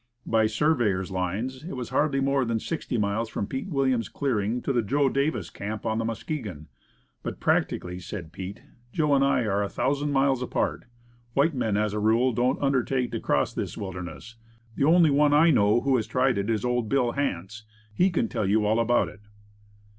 By surveyor's lines it was hardly more than sixty miles from Pete Williams's clearing to the Joe Davis camp on the Muskegon. "But practically," said Pete, "Joe and I are a thousand miles apart. White men, as a rule, don't undertake to cross this wilderness. The only one I know who has tried it is old Bill Hance; he can tell you all about it."